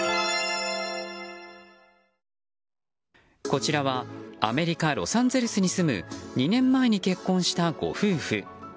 こちらはアメリカ・ロサンゼルスに住む２年前に結婚したご夫婦。